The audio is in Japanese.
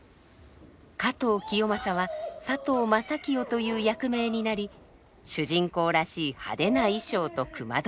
加藤清正は佐藤正清という役名になり主人公らしい派手な衣装と隈取。